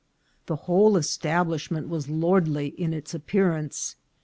The whole establishment was lordly in its ap pearance.